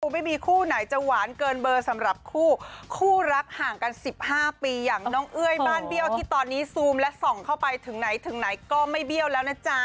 ไม่มีคู่ไหนจะหวานเกินเบอร์สำหรับคู่คู่รักห่างกัน๑๕ปีอย่างน้องเอ้ยบ้านเบี้ยวที่ตอนนี้ซูมและส่องเข้าไปถึงไหนถึงไหนก็ไม่เบี้ยวแล้วนะจ๊ะ